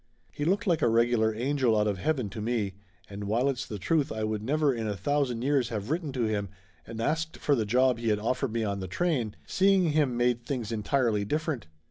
He looked like a regular angel out of heaven to me, and while it's the truth I would never in a thousand years have written to him and asked for the job he had offered me on the train, seeing him made things entirely different.